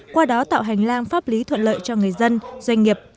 qua đó tạo hành lang pháp lý thuận lợi cho người dân doanh nghiệp